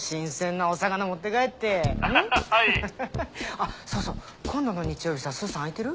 あっそうそう今度の日曜日さスーさん空いてる？